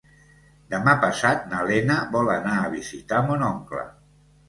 Demà passat na Lena vol anar a visitar mon oncle.